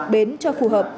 bến cho phù hợp với mực nước